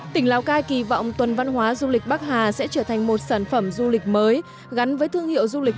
tỉnh lào cai kỳ vọng tuần văn hóa du lịch bắc hà sẽ trở thành một sản phẩm du lịch mới gắn với thương hiệu du lịch